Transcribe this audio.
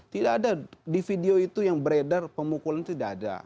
tidak ada di video itu yang beredar pemukulan itu tidak ada